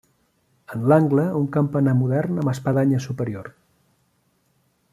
En l'angle un campanar modern amb espadanya superior.